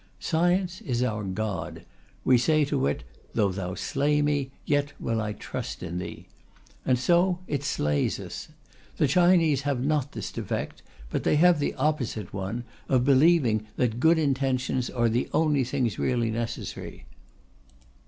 Science is our god; we say to it, "Though thou slay me, yet will I trust in thee." And so it slays us. The Chinese have not this defect, but they have the opposite one, of believing that good intentions are the only thing really necessary.